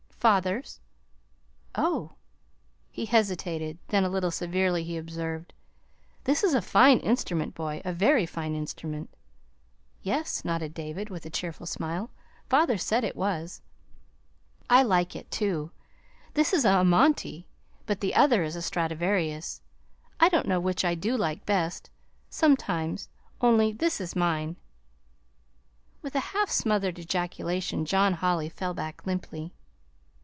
"Father's." "Oh!" He hesitated; then, a little severely, he observed: "This is a fine instrument, boy, a very fine instrument." "Yes," nodded David, with a cheerful smile. "Father said it was. I like it, too. This is an Amati, but the other is a Stradivarius. I don't know which I do like best, sometimes, only this is mine." With a half smothered ejaculation John Holly fell back limply.